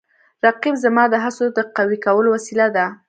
رقیب زما د هڅو د قوي کولو وسیله ده